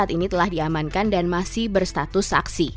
barada e telah diamankan dan masih berstatus saksi